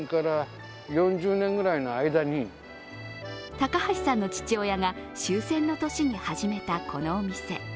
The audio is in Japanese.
高橋さんの父親が終戦の年に始めたこのお店。